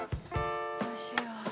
おいしいわ。